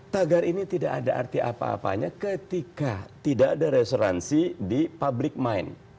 tagar ini tidak ada arti apa apanya ketika tidak ada resuransi di public mind